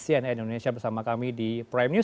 cnn indonesia bersama kami di prime news